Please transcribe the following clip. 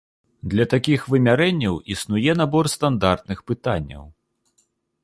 Для такіх вымярэнняў існуе набор стандартных пытанняў.